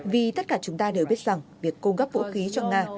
vì tất cả chúng ta đều biết rằng việc cung cấp vũ khí cho nga